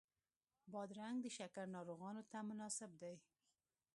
بادرنګ د شکر ناروغانو ته مناسب دی.